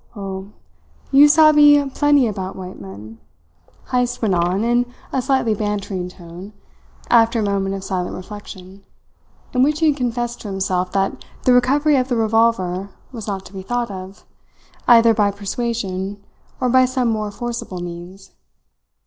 "Oh, you savee plenty about white men," Heyst went on in a slightly bantering tone, after a moment of silent reflection in which he had confessed to himself that the recovery of the revolver was not to be thought of, either by persuasion or by some more forcible means.